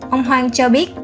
ông hoan cho biết